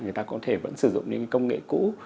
người ta có thể vẫn sử dụng những công nghệ cũ